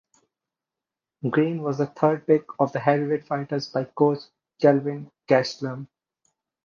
Greene was the third pick of the heavyweight fighters by coach Kelvin Gastelum.